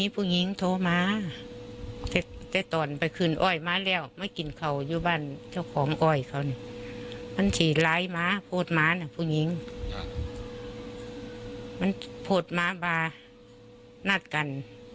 เพราะว่าลูกขึ้นกันที่มีผัวนั้น